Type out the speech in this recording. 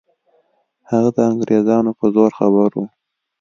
هغه د انګریزانو په زور خبر وو.